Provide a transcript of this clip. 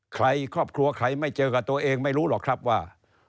ครอบครัวใครไม่เจอกับตัวเองไม่รู้หรอกครับว่า